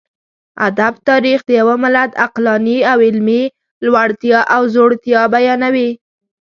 ادب تاريخ د يوه ملت عقلاني او علمي لوړتيا او ځوړتيا بيانوي.